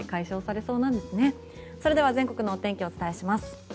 それでは全国のお天気をお伝えします。